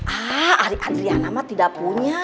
ah ari adriana mah tidak punya